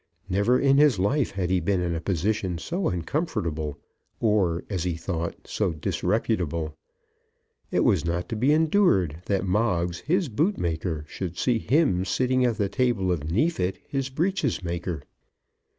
Never in his life had he been in a position so uncomfortable, or, as he thought, so disreputable. It was not to be endured that Moggs, his bootmaker, should see him sitting at the table of Neefit, his breeches maker.